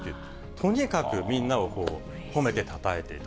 とにかくみんなを褒めてたたえていた。